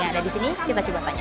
yang ada di sini kita coba tanya